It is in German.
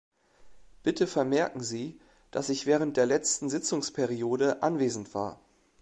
Bitte vermerken Sie, dass ich während der letzten Sitzungsperiode anwesend war.